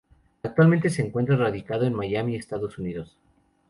Actualmente se encuentra radicado en Miami, Estados Unidos.